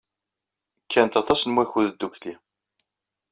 Kkant aṭas n wakud ddukkli.